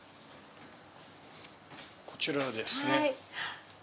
こちらですね。